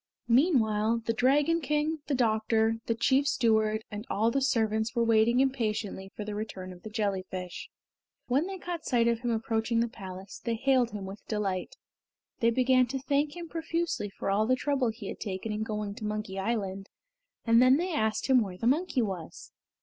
Meanwhile the Dragon King, the doctor, the chief steward, and all the servants were waiting impatiently for the return of the jellyfish. When they caught sight of him approaching the palace, they hailed him with delight. They began to thank him profusely for all the trouble he had taken in going to Monkey Island, and then they asked him where the monkey was.